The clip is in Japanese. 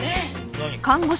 何？